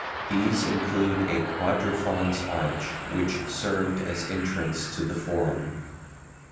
These include a quadrifrons arch, which served as entrance to the forum.